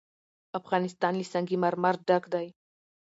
افغانستان له سنگ مرمر ډک دی.